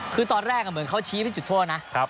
คือตอนแรกเหมือนเขาชี้ไปจุดโทษนะ